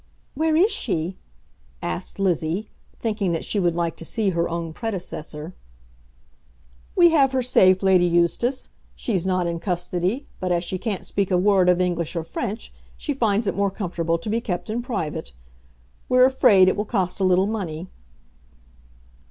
"Where is she?" asked Lizzie, thinking that she would like to see her own predecessor. "We have her safe, Lady Eustace. She's not in custody; but as she can't speak a word of English or French, she finds it more comfortable to be kept in private. We're afraid it will cost a little money."